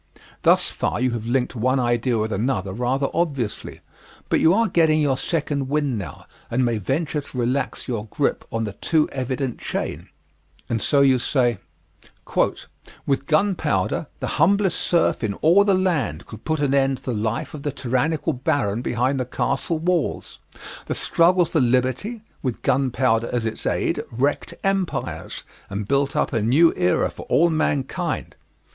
Thus far you have linked one idea with another rather obviously, but you are getting your second wind now and may venture to relax your grip on the too evident chain; and so you say: "With gunpowder the humblest serf in all the land could put an end to the life of the tyrannical baron behind the castle walls. The struggle for liberty, with gunpowder as its aid, wrecked empires, and built up a new era for all mankind."